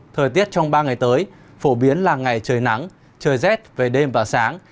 thời tiết trong ba ngày tới phổ biến là ngày trời nắng trời rét về đêm và sáng